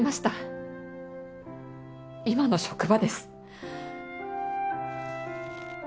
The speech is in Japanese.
今の職場です。